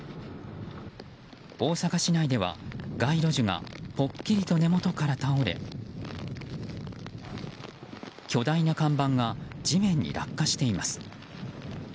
大阪市内では街路樹がぽっきりと根元から倒れ巨大な看板が地面に落下しています。